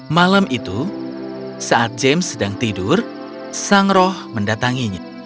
malam itu saat james sedang tidur sang roh mendatanginya